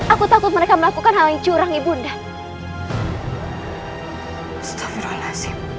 aku takut mereka melakukan hal yang curang ibu unda